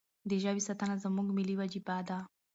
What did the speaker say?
د ژبې ساتنه زموږ ملي وجیبه ده.